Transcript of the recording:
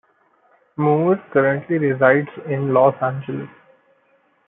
Moore currently resides in Los Angeles.